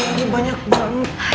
iya banyak banget